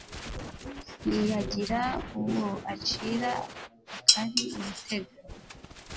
ntiyagira uwo acira akari urutega